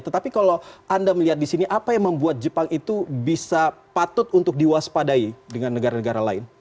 tetapi kalau anda melihat di sini apa yang membuat jepang itu bisa patut untuk diwaspadai dengan negara negara lain